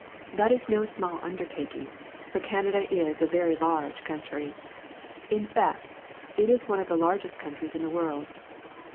That is no small undertaking, for Canada is a very large country. In fact, it is one of the largest countries in the world.